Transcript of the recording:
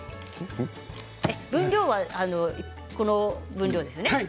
分量は、この分量ですよね。